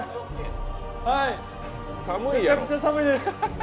はい、めちゃくちゃ寒いです。